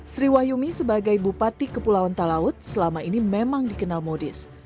sri wahyumi sebagai bupati kepulauan talaut selama ini memang dikenal modis